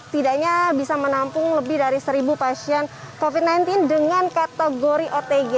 tidaknya bisa menampung lebih dari seribu pasien covid sembilan belas dengan kategori otg